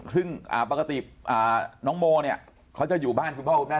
ซึ่งปกติน้องโมเนี่ยเขาจะอยู่บ้านคุณพ่อคุณแม่